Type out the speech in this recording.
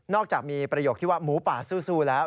นอกจากมีประโยคที่ว่าหมูปากซู่ซู่แล้ว